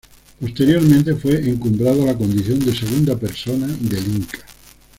Posteriormente fue encumbrado a la condición de "segunda persona" del Inca.